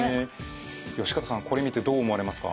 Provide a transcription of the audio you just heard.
善方さんこれ見てどう思われますか？